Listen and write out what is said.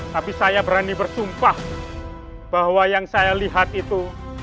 tapi saya berani bersumpah bahwa yang saya lihat itu